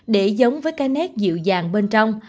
để giống với cái nét dịu dàng bên trong